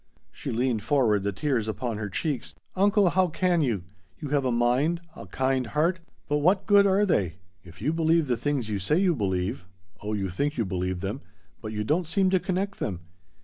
She leaned forward, the tears upon her cheeks. "Uncle, how can you? You have a mind a kind heart. But what good are they? If you believe the things you say you believe oh you think you believe them but you don't seem to connect them.